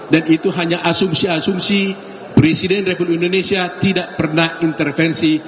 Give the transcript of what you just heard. dan itu hanya asumsi asumsi presiden republik indonesia tidak pernah intervensi